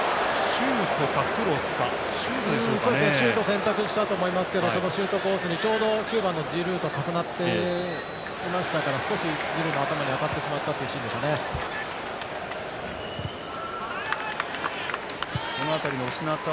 シュートを選択したと思いますけどそのシュートコースがちょうど、９番のジルーと重なっていましたから少しジルーの頭に当たってしまったシーンでした。